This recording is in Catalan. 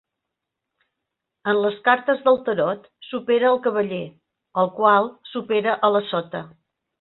En les cartes del tarot, supera al cavaller, el qual supera a la sota.